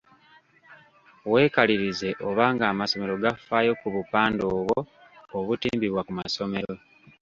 Weekalirize oba ng’amasomero gafaayo ku bupande obwo obutimbibwa ku masomero.